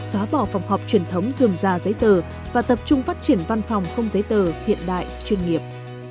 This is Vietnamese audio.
xóa bỏ phòng họp truyền thống dường ra giấy tờ và tập trung phát triển văn phòng không giấy tờ hiện đại chuyên nghiệp